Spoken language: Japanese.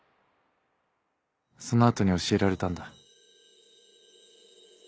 その後に教えられたんだ。